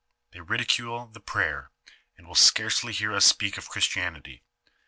They ridicule the prayer, and will scarcely hear us speak of Christianity.